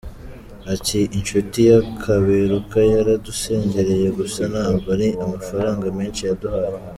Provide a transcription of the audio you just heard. Ati “Inshuti ya Kaberuka yaradusengereye gusa, ntabwo ari amafaranga menshi yaduhaye.